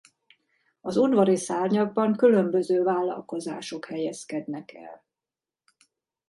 Az udvari szárnyakban különböző vállalkozások helyezkednek el.